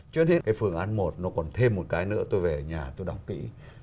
trước hết cái phương án một nó còn thêm một cái nữa tôi về nhà tôi đọc kỹ